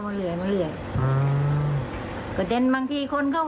มีเรื่องกับใครบ้างอะไรบ้าง